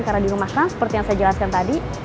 karena di rumah kan seperti yang saya jelaskan tadi